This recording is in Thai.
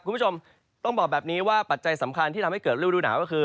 คุณผู้ชมต้องบอกแบบนี้ว่าปัจจัยสำคัญที่ทำให้เกิดฤดูหนาวก็คือ